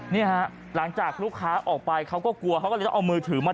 เนี่ยฮะหลังจากลูกค้าออกไปเขาก็กลัวเขาก็เลยต้องเอามือถือมา